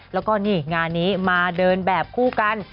แล้วก็นี่งานนี้มาเดินแบบคู่กัน